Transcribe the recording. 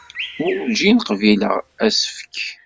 Werǧin qbileɣ asefk.